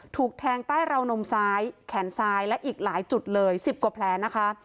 ถูกแทงใต้ราวนมซ้ายแขนซ้ายและอีกหลายจุดเลย๑๐กว่าแผลนะคะ